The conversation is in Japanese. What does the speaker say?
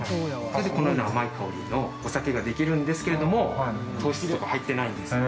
それで、このような甘い香りのお酒ができるんですけれども糖質とか入ってないんですよ。